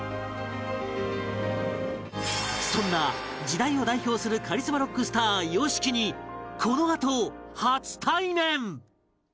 そんな時代を代表するカリスマロックスター ＹＯＳＨＩＫＩ にこのあと初対面！